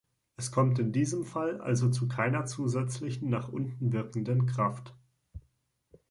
Es kommt in diesem Fall also zu keiner zusätzlichen nach unten wirkenden Kraft.